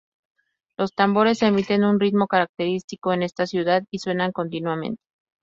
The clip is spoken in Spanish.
Los tambores emiten un ritmo característico en esta ciudad y suenan continuamente.